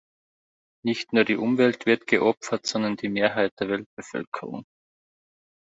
Nicht nur die Umwelt wird geopfert, sondern die Mehrheit der Weltbevölkerung.